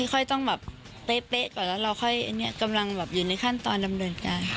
ค่อยต้องแบบเป๊ะก่อนแล้วเรากำลังอยู่ในขั้นตอนดำเนินการ